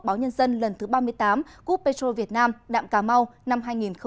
báo nhân dân lần thứ ba mươi tám cúp petro việt nam đạm cà mau năm hai nghìn một mươi chín